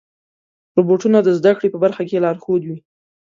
روبوټونه د زدهکړې په برخه کې لارښود وي.